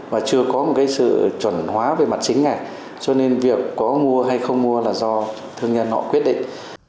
với sự chuẩn hóa về mặt chính này cho nên việc có mua hay không mua là do thương nhân họ quyết định